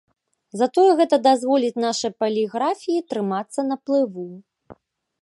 Затое гэта дазволіць нашай паліграфіі трымацца на плыву.